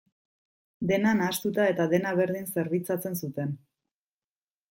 Dena nahastuta eta dena berdin zerbitzatzen zuten.